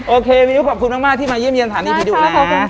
โอเควิวขอบคุณมากที่มาเยี่ยมเยี่ยมถันอีพีดูนะ